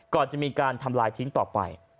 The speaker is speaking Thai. ก่อนจะมีการทำลายทิ้งต่อไป